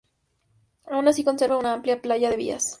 Aun así conserva una amplia playa de vías.